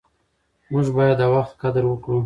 موږ باید د وخت قدر وکړو.